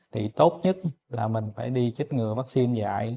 thì tốt nhất là mình phải đi chích ngừa vắc xin dại